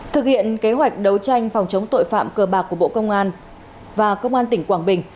thực hiện kế hoạch đấu tranh phòng chống tội phạm cờ bạc của bộ công an và công an tỉnh quảng bình